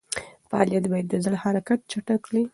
فعالیت باید د زړه حرکت چټک کړي.